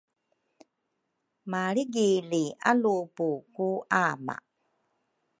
malrigili alupu ku ama.